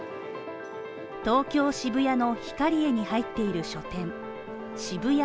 東京・渋谷のヒカリエに入っている書店渋谷